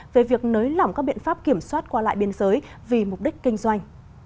về việc nới lỏng các biện pháp kiểm soát qua lại biên giới vì mục đích kinh doanh